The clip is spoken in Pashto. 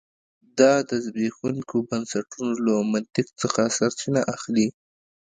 دا د زبېښونکو بنسټونو له منطق څخه سرچینه اخلي